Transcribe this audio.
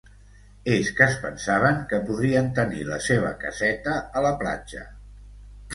És que es pensaven que podrien tenir la seva caseta a la platja.